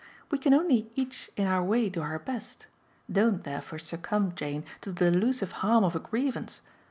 We can only each in our way do our best. Don't therefore succumb, Jane, to the delusive harm of a grievance.